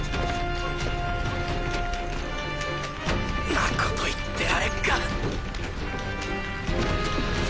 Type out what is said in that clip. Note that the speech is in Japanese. なこと言ってられっか！